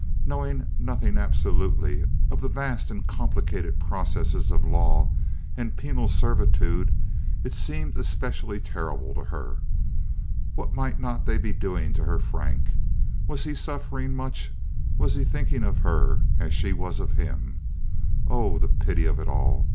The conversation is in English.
Knowing nothing absolutely of the vast and complicated processes of law and penal servitude, it seemed especially terrible to her. What might not they be doing to her Frank? Was he suffering much? Was he thinking of her as she was of him? Oh, the pity of it all!